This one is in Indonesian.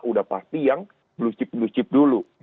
udah pasti yang blue chip blue chip dulu